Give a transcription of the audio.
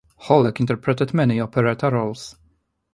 Holecek interpreted many operetta roles.